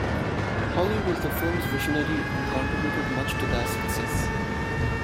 Holly was the firm's visionary and contributed much to their success.